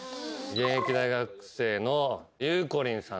現役大学生のゆうこりんさん。